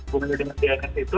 bukan hanya dengan si agnes itu